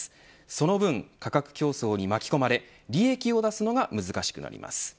その分、価格競争に巻き込まれ利益を出すのが難しくなるんです。